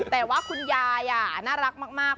แต่ว่าคุณยายน่ารักมาก